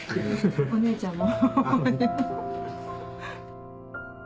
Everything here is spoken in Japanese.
お姉ちゃんも。